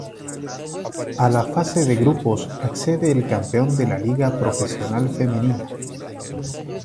A la fase de grupos accede el campeón de la Liga Profesional Femenina.